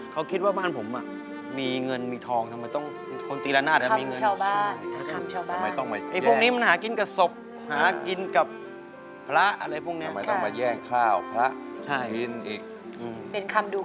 เขาคิดว่าบ้านผมอ่ะมีเงินเงินทองทำไมต้อง